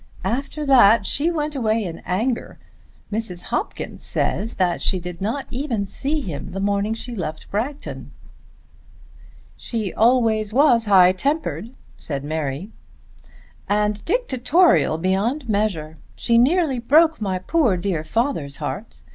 After that she went away in anger. Mrs. Hopkins says that she did not even see him the morning she left Bragton." "She was always high tempered," said Mary. "And dictatorial beyond measure. She nearly broke my poor dear father's heart.